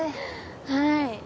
はい